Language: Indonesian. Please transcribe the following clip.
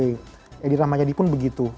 edi rahmayadi pun begitu